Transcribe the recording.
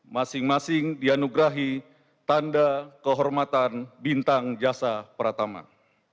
masing masing dianugrahi tanda kehormatan bintang jasa perataman